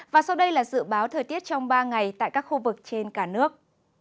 và sau đây là dự báo thời tiết trong ba ngày tại các khu vực trên cả nước